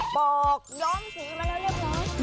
บอกย้อมสีมาแล้วเรียบร้อย